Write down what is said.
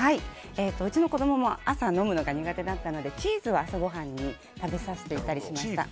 うちの子供も朝飲むのが苦手だったのでチーズを朝ごはんに食べさせてたりしていました。